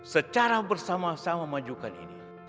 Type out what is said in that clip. secara bersama sama majukan ini